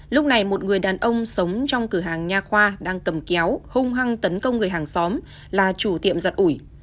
lúc này một người đàn ông sống trong cửa hàng nha khoa đang cầm kéo hung hăng tấn công người hàng xóm là chủ tiệm giật ủi